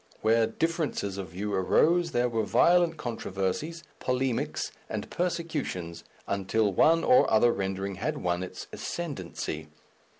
Where differences of view arose there were violent controversies, polemics, and persecutions, until one or other rendering had won its ascendency.